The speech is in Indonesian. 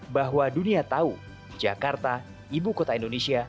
bahwa dunia tahu jakarta ibu kota indonesia